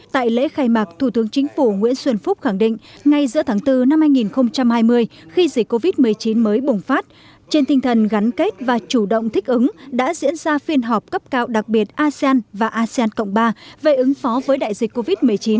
tại lễ khai mạc thủ tướng chính phủ nguyễn xuân phúc khẳng định ngay giữa tháng bốn năm hai nghìn hai mươi khi dịch covid một mươi chín mới bùng phát trên tinh thần gắn kết và chủ động thích ứng đã diễn ra phiên họp cấp cao đặc biệt asean và asean cộng ba về ứng phó với đại dịch covid một mươi chín